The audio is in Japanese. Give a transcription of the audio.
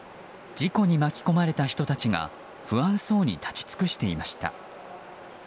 事故に巻き込まれた人たちが不安そうに立ち尽くしていました。